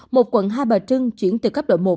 một quận hai bà trưng chuyển từ cấp độ một